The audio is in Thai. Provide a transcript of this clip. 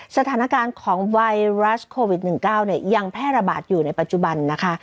สถานการณ์ของไวรัสโควิด๑๙ยังแพร่ระบาดอยู่ในปัจจุบันนะคะ